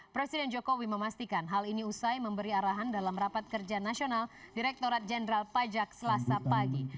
presiden jokowi memastikan hal ini usai memberi arahan dalam rapat kerja nasional direkturat jenderal pajak selasa pagi